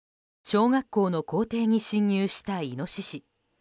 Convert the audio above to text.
小学校の校庭に侵入したイノシシ。